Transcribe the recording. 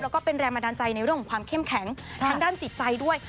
แล้วก็เป็นแรงบันดาลใจในเรื่องของความเข้มแข็งทางด้านจิตใจด้วย